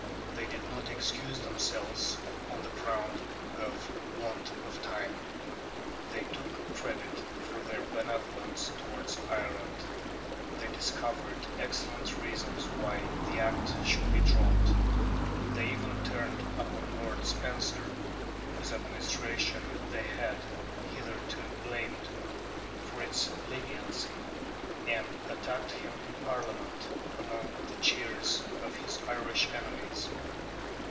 They did not excuse themselves on the ground of want of time. They took credit for their benevolence towards Ireland; they discovered excellent reasons why the Act should be dropped. They even turned upon Lord Spencer, whose administration they had hitherto blamed for its leniency, and attacked him in Parliament, among the cheers of his Irish enemies.